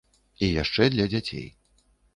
І яшчэ для дзяцей.